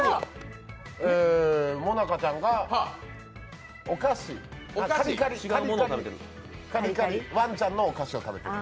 もなかちゃんがワンちゃんのお菓子を食べている。